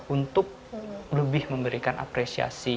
untuk lebih memberikan apresiasi